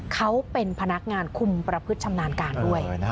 เขาเป็นพนักงานคุมประพฤติชำนาญการด้วย